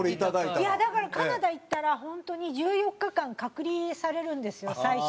いやだからカナダ行ったら本当に１４日間隔離されるんですよ最初。